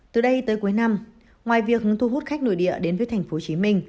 từ đây tới cuối năm ngoài việc thu hút khách nội địa đến với tp hcm